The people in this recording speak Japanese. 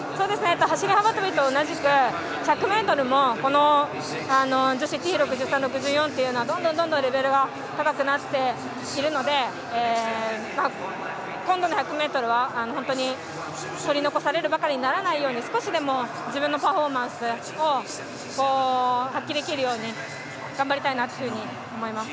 走り幅跳びと同じく１００ｍもＴ６３、６４はどんどんレベルが高くなっているので今度の１００ｍは本当に取り残されるばかりにならないように少しでも自分のパフォーマンスを発揮できるように頑張りたいなと思います。